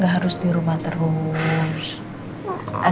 harus di rumah terus